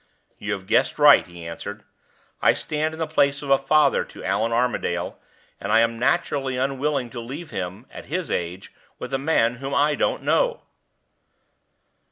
"You have guessed right," he answered. "I stand in the place of a father to Allan Armadale, and I am naturally unwilling to leave him, at his age, with a man whom I don't know."